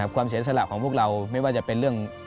ความเศรษฐราบของพวกเราไม่ว่าจะเป็นเรื่อง